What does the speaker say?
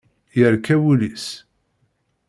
Yerka wul-is.